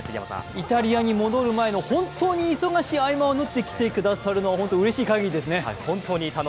イタリアに戻る前の本当に忙しい合間を縫って来てくださるのはホントうれしいかぎりですね。